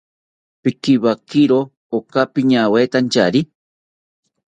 Pikiwakiro ako piñawetantyari